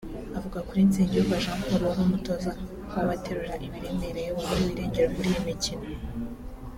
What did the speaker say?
Avuga kuri Nsengiyumva Jean Paul wari Umutoza w’Abaterura Ibiremereye waburiwe irengero muri iyi mikino